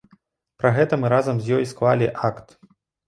Пра гэта мы разам з ёй склалі акт.